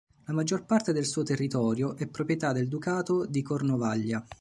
La maggior parte del suo territorio è proprietà del Ducato di Cornovaglia.